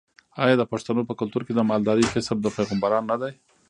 آیا د پښتنو په کلتور کې د مالدارۍ کسب د پیغمبرانو نه دی؟